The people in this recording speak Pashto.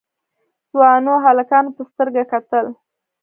ځوانو هلکانو په سترګه کتل.